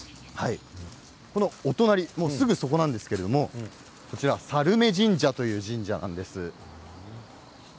このお隣すぐそこなんですけれどもこちら佐瑠女神社という神社なんです。